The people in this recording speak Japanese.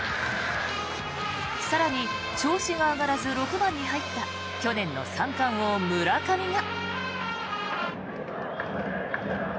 更に調子が上がらず６番に入った去年の三冠王、村上が。